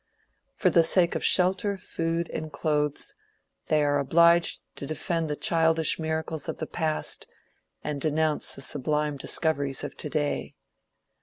For the sake of shelter, food and clothes, they are obliged to defend the childish miracles of the past, and denounce the sublime discoveries of to day.